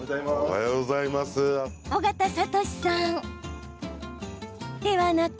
緒方智さん、ではなく。